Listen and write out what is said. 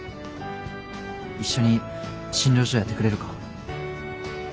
一緒に診療所やってくれるか？